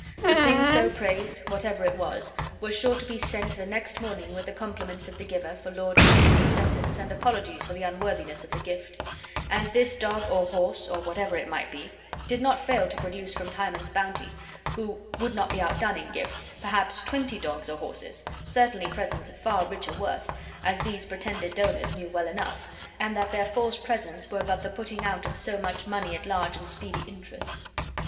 The thing so praised, whatever it was, was sure to be sent the next morning with the compliments of the giver for Lord Timon's acceptance, and apologies for the unworthiness of the gift; and this dog or horse, or whatever it might be, did not fail to produce from Timon's bounty, who would not be outdone in gifts, perhaps twenty dogs or horses, certainly presents of far richer worth, as these pretended donors knew well enough, and that their false presents were but the putting out of so much money at large and speedy interest.